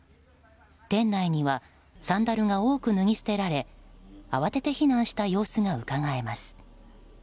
店内にはサンダルが多く脱ぎ捨てられ慌てて避難した様子がうかがえます。